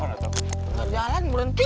enggak jalan berhenti